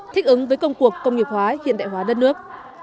thích ứng với công cuộc công nghiệp hóa hiện đại hóa đất nước